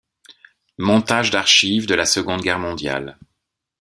Montage d'archives de la Seconde Guerre mondiale.